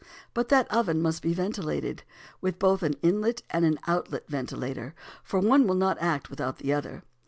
But that oven must be ventilated with both an inlet and an outlet ventilator, for one will not act without the other.